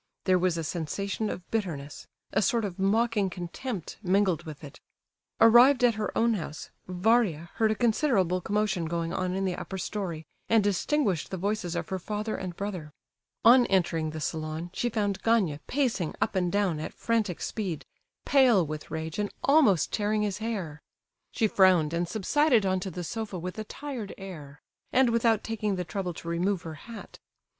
There was a sensation of bitterness, a sort of mocking contempt, mingled with it. Arrived at her own house, Varia heard a considerable commotion going on in the upper storey, and distinguished the voices of her father and brother. On entering the salon she found Gania pacing up and down at frantic speed, pale with rage and almost tearing his hair. She frowned, and subsided on to the sofa with a tired air, and without taking the trouble to remove her hat.